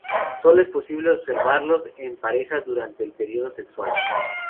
Sólo es posible observarlos en parejas durante el período sexual.